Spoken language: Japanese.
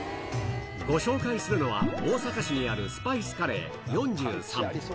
ご紹介するのは、大阪市にあるスパイスカレー４３。